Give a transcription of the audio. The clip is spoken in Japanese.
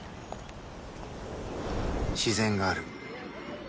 自然がある